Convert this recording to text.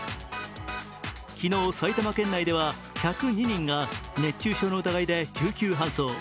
昨日、埼玉県内では１０２人が熱中症の疑いで救急搬送。